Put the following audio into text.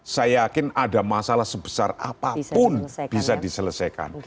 saya yakin ada masalah sebesar apapun bisa diselesaikan